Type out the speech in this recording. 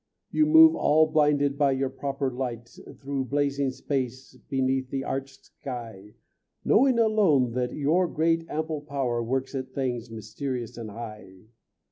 You move all blinded by your proper light Through blazing space, beneath the arched sky, Knowing alone that your great, ample power Works at things mysterious and high.